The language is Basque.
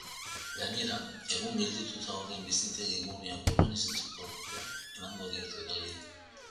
Gainera, egun geldituta dauden bizitegi-guneak urbanizatzeko aukera emango diete udalei.